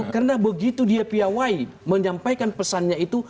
karena begitu dia pihawai menyampaikan pesannya itu